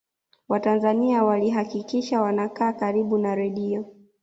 watanzania walihakikisha wanakaa karibu na redio